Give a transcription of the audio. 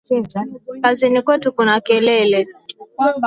Kazini kwetu kuna kelele